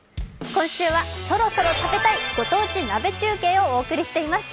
今週は、「そろそろ食べたい！御当地鍋中継」をお届けしています。